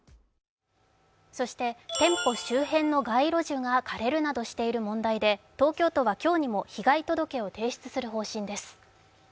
そして店舗周辺の街路樹が枯れるなどしている問題で、東京都は今日にも被害届を提出する方針です。